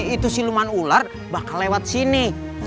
itu siluman ular bakal lewat sini